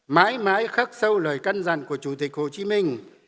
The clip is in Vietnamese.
mãi mãi khắc sâu lời căn dặn của chủ tịch hồ chí minh